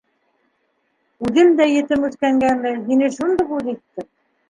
Үҙең дә етем үҫкәнгәме, һине шундуҡ үҙ иттем.